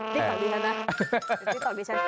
พี่ตอบดีนะ